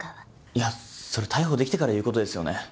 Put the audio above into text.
いやそれ逮捕できてから言うことですよね。